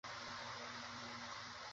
তােমাকেও তাহা বলিতে হইবে না কি?